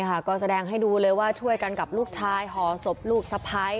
โอเคค่ะก็แสดงให้ดูเลยว่าช่วยกันกับหอสมพันธุ์ลูกสะพัย